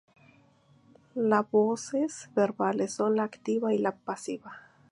La voces verbales son la activa y la pasiva.